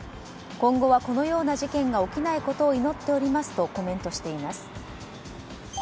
今後はこのような事件が起きないことを願っていますとコメントしています。